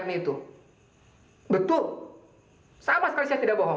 rny itu tetuk sama sekali tidak bohong